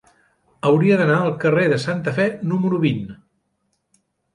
Hauria d'anar al carrer de Santa Fe número vint.